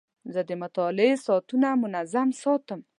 زه د مطالعې ساعتونه منظم ساتم.